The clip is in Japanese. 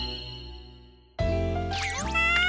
みんな！